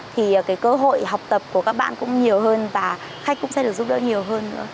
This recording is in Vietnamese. thì cái cơ hội học tập của các bạn cũng nhiều hơn và khách cũng sẽ được giúp đỡ nhiều hơn nữa